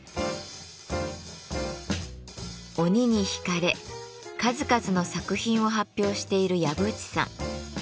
鬼に引かれ数々の作品を発表している籔内さん。